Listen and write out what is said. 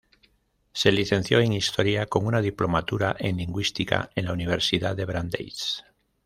Se licenció en historia con una diplomatura en lingüística en la universidad de Brandeis.